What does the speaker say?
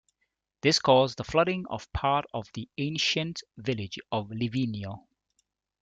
This caused the flooding of part of the ancient village of Livigno.